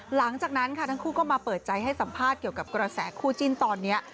หลังจากนั้นค่ะทั้งคู่ก็มาเปิดใจให้สัมภาษณ์เกี่ยวกับกระแสคู่จิ้นตอนนี้